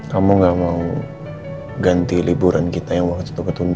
kamu nggak mau ganti liburan kita yang waktu itu ketunda